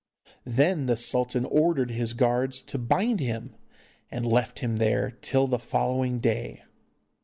Then the sultan ordered his guards to bind him, and left him there till the following day.